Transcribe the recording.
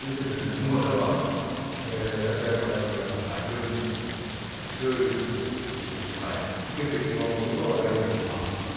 今場所は立ち合いのあたりが非常に強いので受けてしまうことはないと思うんです。